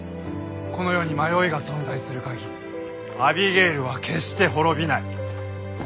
この世に迷いが存在する限りアビゲイルは決して滅びない。